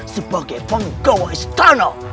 sebagai penggawa istana